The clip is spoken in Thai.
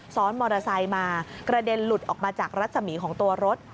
ซ้อนมอเตอร์ไซค์มากระเด็นหลุดออกมาจากรัศมีของตัวรถ